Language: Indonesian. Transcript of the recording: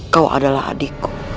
kau adalah adikku